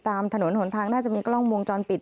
ตามถนนหนทางน่าจะมีกล้องวงจรปิด